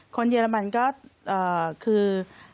เยอรมันก็คือ